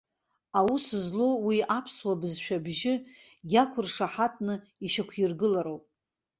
Аус злоу, уи аԥсуа бызшәа абжьы иақәыршаҳаҭны ишьақәиргылароуп.